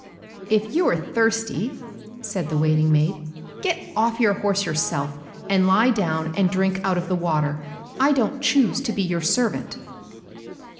"If you are thirsty," said the waiting maid, "get off your horse yourself, and lie down and drink out of the water, I don't choose to be your servant."